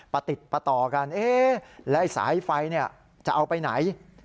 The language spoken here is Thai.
ปะติดปะต่อกันแล้วสายไฟจะเอาไปไหน